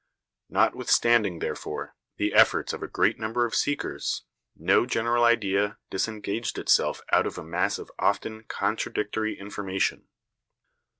Notwithstanding, therefore, the efforts of a great number of seekers, no general idea disengaged itself out of a mass of often contradictory information.